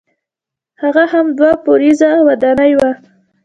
هغه هم دوه پوړیزه ودانۍ وه.